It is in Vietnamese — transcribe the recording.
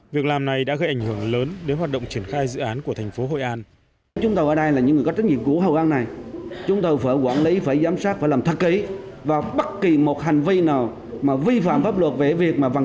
việc làm này đã gây ảnh hưởng lớn đến hoạt động triển khai dự án của thành phố hội an